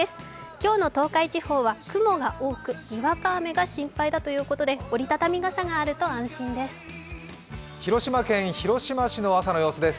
今日の東海地方は雲が多く、にわか雨が心配だということで折り畳み傘があると安心です。